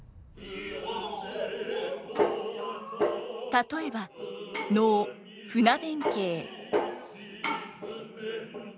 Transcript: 例えば能「船弁慶」。